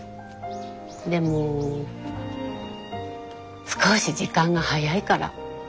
でも少し時間が早いから。